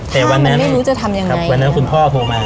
ถ้ามันไม่รู้จะทำยังไงวันนั้นคุณพ่อโทรมา